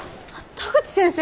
田口先生。